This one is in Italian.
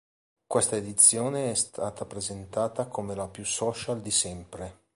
Questa edizione è stata presentata come la più social di sempre.